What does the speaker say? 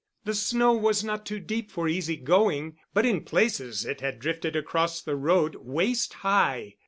The snow was not too deep for easy going, but in places it had drifted across the road waist high.